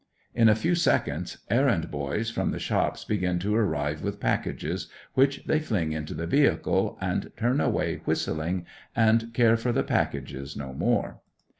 In a few seconds errand boys from the shops begin to arrive with packages, which they fling into the vehicle, and turn away whistling, and care for the packages no more.